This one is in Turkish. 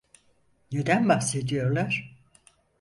Neden bahsediyorlar?